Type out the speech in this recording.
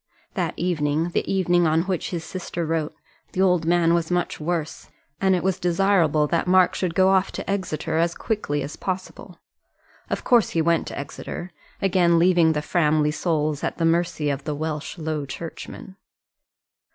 That evening the evening on which his sister wrote the old man was much worse, and it was desirable that Mark should go off to Exeter as quickly as possible. Of course he went to Exeter again leaving the Framley souls at the mercy of the Welsh Low Churchman.